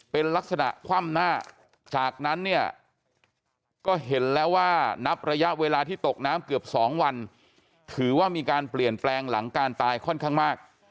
เพราะว่านับระยะเวลาที่ตกน้ำเกือบ๒วันถือว่ามีการเปลี่ยนแปลงหลังการตายค่อนข้างมาก